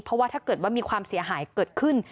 เพราะว่าถ้าเกิดว่ามีความเสียหายเกิดขึ้น